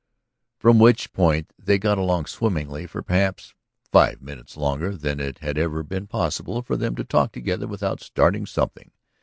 From which point they got along swimmingly for perhaps five minutes longer than it had ever been possible for them to talk together without "starting something."